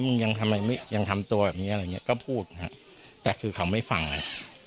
มึงแก่แล้วแบบนี้มึงยังทำอะไร